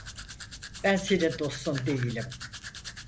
Ben senin dostun değilim.